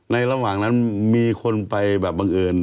ระหว่างนั้นมีคนไปแบบบังเอิญ